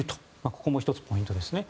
ここも１つポイントですね。